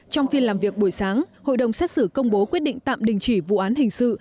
trong phiên làm việc buổi sáng hội đồng xét xử công bố quyết định tạm đình chỉ vụ án hình sự